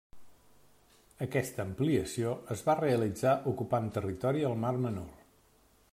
Aquesta ampliació es va realitzar ocupant territori al Mar Menor.